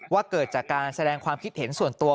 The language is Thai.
เกิดจากการแสดงความคิดเห็นส่วนตัว